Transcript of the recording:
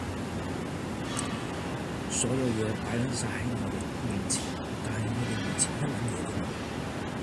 所有野擺撚晒喺我哋面前，但係我哋面前乜撚嘢都冇！